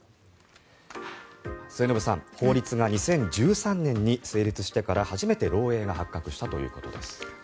末延さん、法律が２０１３年に成立してから初めて漏えいが発覚したということです。